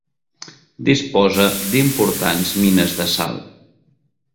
Disposa d'importants mines de sal.